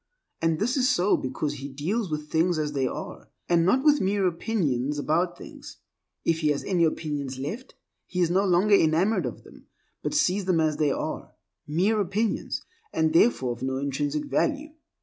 And this is so because he deals with things as they are, and not with mere opinions about things, If he has any opinions left, he is no longer enamored of them, but sees them as they are—mere opinions, and therefore of no intrinsic value.